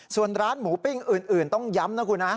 ส่วนร้านหมูปิ้งอื่นต้องย้ำนะคุณนะ